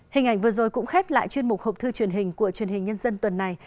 hình ảnh vừa rồi cũng khép lại chuyên mục hộp thư truyền hình của truyền hình nhân dân tuần này